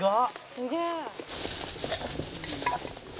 「すげえ」